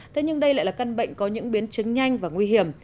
thế nhưng đây lại là căn bệnh có những biến chứng nhanh và nguy hiểm